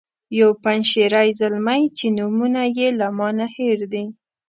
یو پنجشیری زلمی چې نومونه یې له ما نه هیر دي.